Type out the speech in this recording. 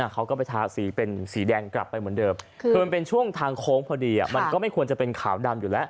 เขาก็ไปทาสีเป็นสีแดงกลับไปเหมือนเดิมคือมันเป็นช่วงทางโค้งพอดีมันก็ไม่ควรจะเป็นขาวดำอยู่แล้ว